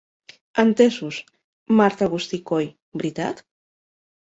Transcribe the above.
Entesos, Marta Agustí Coll, veritat?